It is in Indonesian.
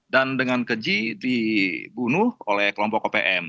dan dengan keji dibunuh oleh kelompok opm